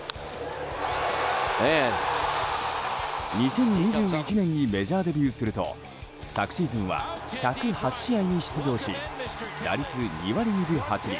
２０２１年にメジャーデビューすると昨シーズンは１０８試合に出場し打率２割２分８厘